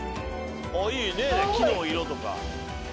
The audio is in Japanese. いいね木の色とか。